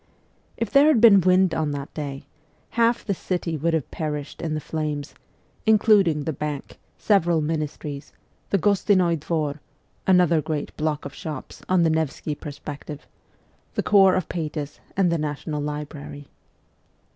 If there had been wind on that day, half the city would have perished in the flames, including the Bank, several Ministries, the Gostinoi Dvor (another great block of shops on the Nevsky Perspective), the Corps of Pages, and the National Library.